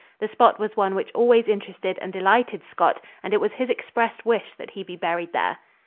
The spot was one which always interested and delighted Scott and it was his expressed wish that he be buried there.